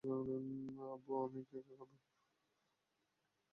আব্বু, আমি কেক খাবো!